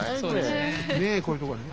ねえこういうとこでね。